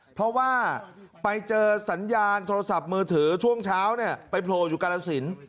เพราะว่าไปเจอสัญญาณโทรศัพท์มือถือช่วงเช้าไปโผล่อยู่กาลสิน